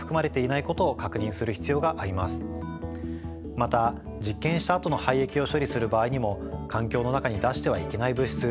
また実験したあとの廃液を処理する場合にも環境の中に出してはいけない物質